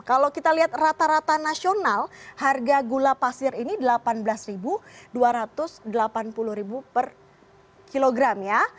kalau kita lihat rata rata nasional harga gula pasir ini rp delapan belas dua ratus delapan puluh per kilogram ya